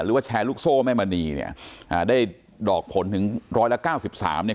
หรือว่าแชร์ลูกโซ่แม่มณีเนี่ยอ่ะได้ดอกผลถึง๙๐๐ละ๙๓เนี่ย